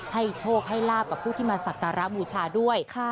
ให้โชคให้ลาบกับผู้ที่มาสัตว์การราชิกาเวสวันด้วย